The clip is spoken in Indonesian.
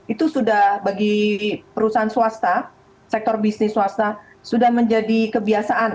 itu sudah bagi perusahaan swasta sektor bisnis swasta sudah menjadi kebiasaan